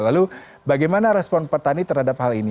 lalu bagaimana respon petani terhadap hal ini